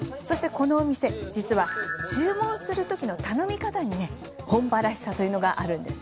このお店実は、注文する時の頼み方に本場らしさがあるんです。